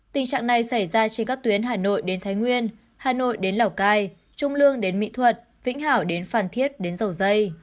tình trạng này xảy ra trên các tuyến hà nội đến thái nguyên hà nội đến lào cai trung lương đến mỹ thuật vĩnh hảo đến phan thiết đến dầu dây